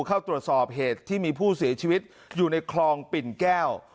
เข้าตรวจสอบเหตุที่มีผู้เสียชีวิตอยู่ในคลองปิ่นแก้ว